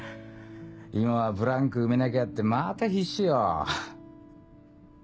今はブランク埋めなきゃってまた必死よ。